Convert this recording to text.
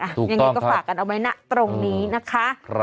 อย่างนี้ก็ฝากกันเอาไว้ตรงนี้นะคะ